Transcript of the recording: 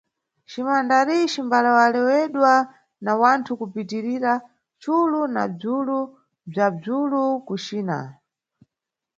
CiMandarim cimbalewalewedwa na wanthu kupitirira culu na bzwulu bzwa bzwulu ku China.